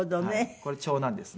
これ長男ですね。